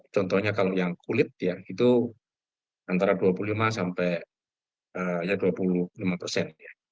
contohnya kalau yang kulit ya itu antara dua puluh lima sampai dua puluh lima persen